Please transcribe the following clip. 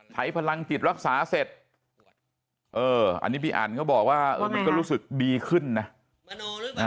ใช้พลังจิตรักษาเสร็จอันนี้พี่อันเขาบอกว่ามันก็รู้สึกดีขึ้นนะ